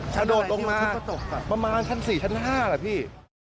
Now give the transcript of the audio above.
กระโดดลงมาประมาณชั้น๔ชั้น๕แหละพี่